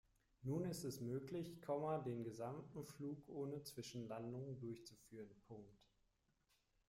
Nun ist es möglich, den gesamten Flug ohne Zwischenlandungen durchzuführen.